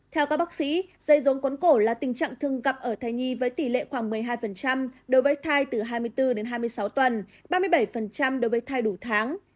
theo các bác sĩ dây rốn quấn cổ là tình trạng thường gặp ở thai nhi với tỷ lệ khoảng một mươi hai đối với thai từ hai mươi bốn đến hai mươi sáu tuần ba mươi bảy đối với thai đủ tháng